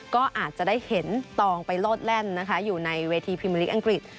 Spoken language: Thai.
ก็อาจจะได้เห็นตองไปโลดแล่นนะคะอยู่ในเวทีพิมพลิกอังกฤษ